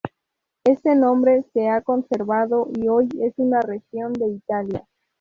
Este nombre se ha conservado y hoy es una región de Italia.